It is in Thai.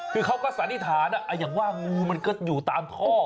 คือเขาก็สันนิษฐานอย่างว่างูมันก็อยู่ตามท่อ